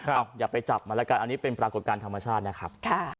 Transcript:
อย่าไปจับมันแล้วกันอันนี้เป็นปรากฏการณ์ธรรมชาตินะครับ